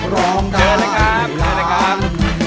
ร้องได้ให้อร่าน